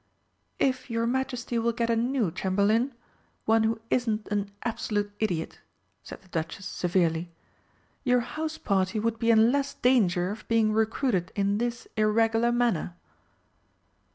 "If your Majesty will get a new Chamberlain one who isn't an absolute idiot," said the Duchess severely, "your house party would be in less danger of being recruited in this irregular manner."